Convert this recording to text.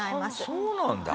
そうなんだ。